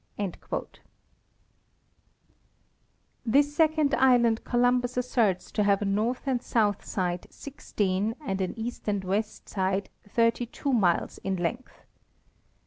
* This second island Columbus asserts to have a north and south side sixteen and an east and west side thirty two miles in length.